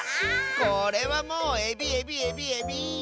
これはもうエビエビエビエビ！